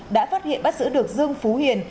đã phát hiện bắt giữ được dương phú hiền